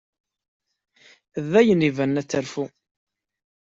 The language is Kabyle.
D ayen ibanen ad terfu.